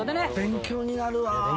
勉強になるわ。